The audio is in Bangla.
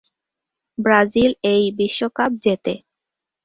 ব্রাজিল এই বিশ্বকাপ জেতে।